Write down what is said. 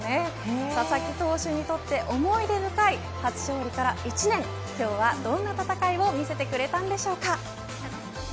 佐々木投手にとって思い出深い初勝利から１年今日はどんな戦いを見せてくれたんでしょうか。